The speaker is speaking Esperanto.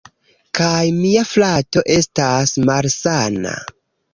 Kaj mia frato estas malsana.